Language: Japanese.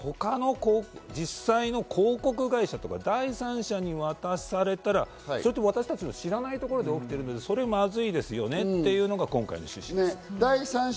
それを他の実際の広告会社や第三者に渡されたら、私たちの知らない所で起きているので、それはまずいですよねというのが今回の趣旨ですね。